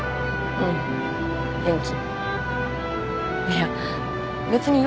うん元気？